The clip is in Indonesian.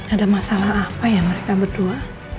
ada masalah apa ya mereka berdua